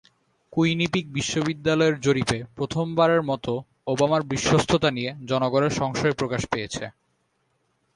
Quinnipiac বিশ্ববিদ্যালয়ের জরিপে প্রথমবারের মতো ওবামার বিশ্বস্ততা নিয়ে জনগণের সংশয় প্রকাশ পেয়েছে।